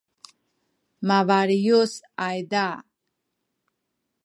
mabaliyus ayza